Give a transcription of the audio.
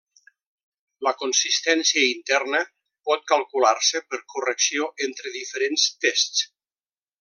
La consistència interna pot calcular-se per correlació entre diferents tests.